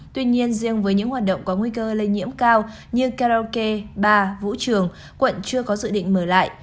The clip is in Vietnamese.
tuy nhiên riêng với những hoạt động có nguy cơ lây nhiễm cao như karaoke ba vũ trường quận chưa có dự định mở lại